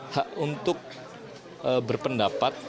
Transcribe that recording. hak untuk berpendapat